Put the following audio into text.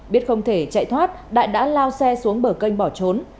biết không thể chạy thoát đại đã lao xe xuống bờ kênh bỏ trốn